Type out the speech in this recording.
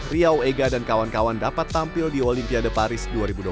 riau ega dan kawan kawan dapat tampil di olimpiade paris dua ribu dua puluh empat